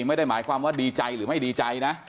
ไม่ได้หมายความว่าดีใจหรือไม่ดีใจนะ